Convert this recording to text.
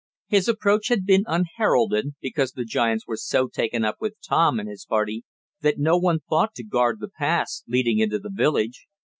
His approach had been unheralded because the giants were so taken up with Tom and his party that no one thought to guard the paths leading into the village.